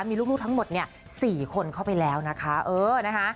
มีลูกทั้งหมดเนี่ย๔คนเข้าไปแล้วนะคะเออนะคะ